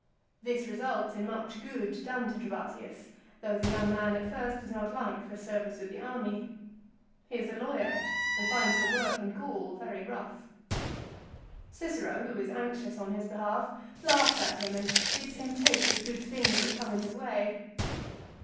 This results in much good done to Trebatius, though the young man at first does not like the service with the army. He is a lawyer, and finds the work in Gaul very rough. Cicero, who is anxious on his behalf, laughs at him and bids him take the good things that come in his way.